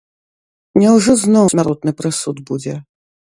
Няўжо зноў смяротны прысуд будзе?